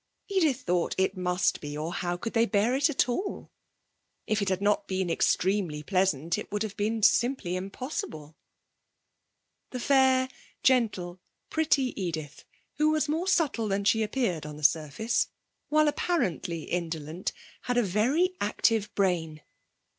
Edith thought it must be, or how could they bear it at all? If it had not been extremely pleasant it would have been simply impossible. The fair, gentle, pretty Edith, who was more subtle than she appeared on the surface, while apparently indolent, had a very active brain.